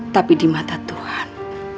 tapi di mata tuhan